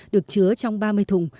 được chứa trong ba mươi thùng